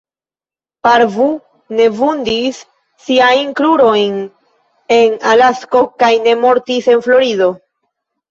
Parvu ne vundis siajn krurojn en Alasko kaj ne mortis en Florido.